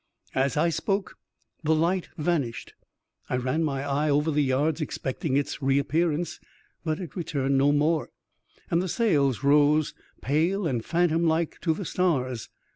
As I spoke, the light vanished. I ran my eye over the yards, expecting its re appearance, but it returned no more, and the sails rose pale and phantom like to the stars.